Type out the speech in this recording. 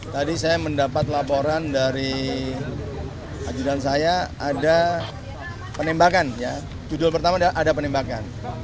tadi saya mendapat laporan dari ajudan saya ada penembakan judul pertama ada penembakan